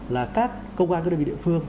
là các công an các đơn vị địa phương